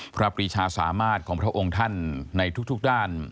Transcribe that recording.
ปรีชาสามารถของพระองค์ท่านในทุกด้าน